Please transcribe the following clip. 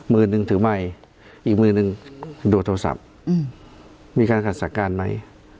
มือนึงถือไม่อีกมือนึงดูโทรศัพท์อืมมีการการศักดิ์การไหม